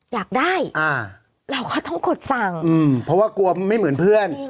อยากได้อ่าเราก็ต้องกดสั่งอืมเพราะว่ากลัวไม่เหมือนเพื่อน